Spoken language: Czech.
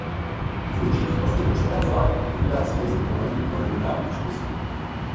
Využití postupu přepracování odpovídá cíli zdokonalení tvorby právních předpisů.